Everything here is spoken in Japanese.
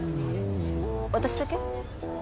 私だけ？